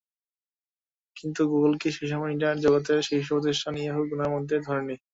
কিন্তু গুগলকে সেই সময়ের ইন্টারনেট জগতের শীর্ষ প্রতিষ্ঠান ইয়াহু গোনার মধ্যেই ধরেনি।